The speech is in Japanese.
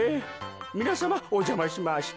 みなさまおじゃましました。